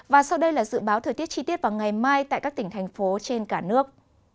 và sau đây là dự báo thời tiết chi tiết vào ngày mai tại các tỉnh thành phố trên cả nước